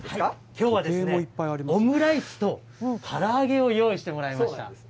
きょうは、オムライスとから揚げを用意してもらいました。